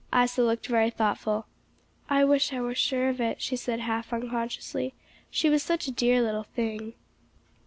Isa looked very thoughtful. "I wish I were sure of it," she said half unconsciously; "she was such a dear little thing."